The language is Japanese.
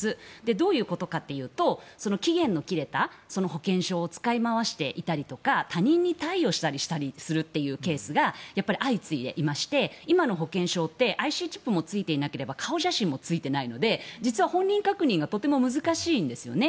どういうことかっていうと期限の切れた保険証を使い回していたりとか他人に貸与したりするというケースが相次いでいまして今の保険証ってＩＣチップもついていなければ顔写真もついていないので実は本人確認がとても難しいんですよね。